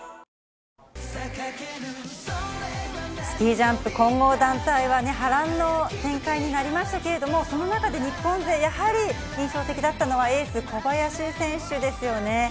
スキージャンプ混合団体は波乱の展開になりましたけれども、その中で日本勢、やはり印象的だったのはエース・小林選手ですよね。